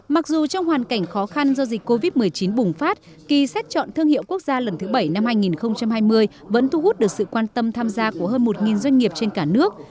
mặc dù trong hoàn cảnh khó khăn do dịch covid một mươi chín bùng phát kỳ xét chọn thương hiệu quốc gia lần thứ bảy năm hai nghìn hai mươi vẫn thu hút được sự quan tâm tham gia của hơn một doanh nghiệp trên cả nước